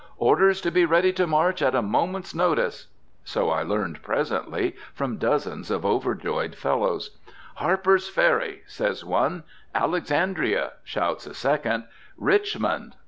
"Orders to be ready to march at a moment's notice!" so I learned presently from dozens of overjoyed fellows. "Harper's Ferry!" says one. "Alexandria!" shouts a second. "Richmond!"